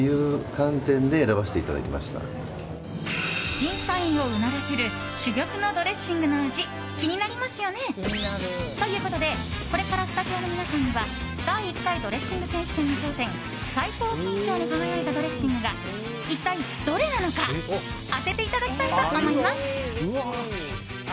審査員をうならせる珠玉のドレッシングの味気になりますよね？ということでこれからスタジオの皆さんには第１回ドレッシング選手権の頂点最高金賞に輝いたドレッシングが一体どれなのか当てていただきたいと思います。